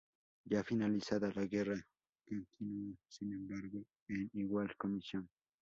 Ya finalizada la guerra, continuó sin embargo en igual comisión.